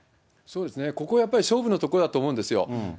ここはやっぱり勝負のところだと思うんですよね。